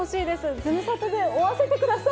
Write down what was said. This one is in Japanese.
ズムサタで追わせてください。